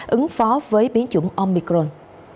ứng phó với biến chủng omicron